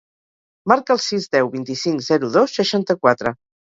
Marca el sis, deu, vint-i-cinc, zero, dos, seixanta-quatre.